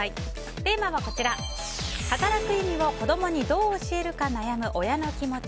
テーマは働く意味を子供にどう教えるか悩む親の気持ち。